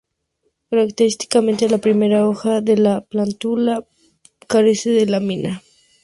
Característicamente, la primera hoja de la plántula carece de lámina.